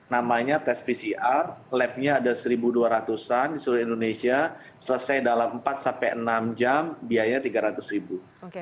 namanya tes pcr labnya ada satu dua ratus an di seluruh indonesia selesai dalam empat sampai enam jam biaya tiga ratus ribu